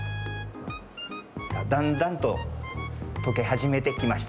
さあだんだんととけはじめてきました。